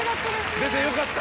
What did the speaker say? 出てよかった！